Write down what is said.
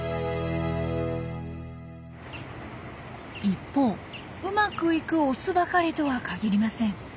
一方うまくいくオスばかりとは限りません。